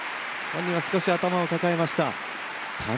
本人は、少し頭を抱えました。